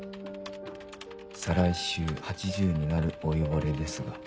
「再来週８０になる老いぼれですが」。